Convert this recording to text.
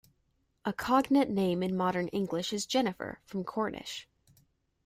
A cognate name in Modern English is Jennifer, from Cornish.